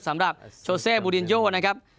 สำหรับโชเซบูดินโยนะครับ